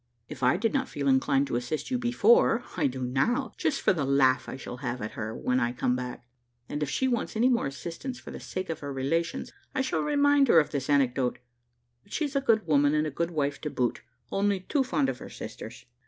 "If I did not feel inclined to assist you before, I do now, just for the laugh I shall have at her when I come back; and if she wants any more assistance for the sake of her relations, I shall remind her of this anecdote; but she's a good woman and a good wife to boot, only too fond of her sisters."